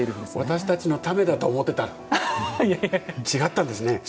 私たちのためだと思ってたら違ったんですね。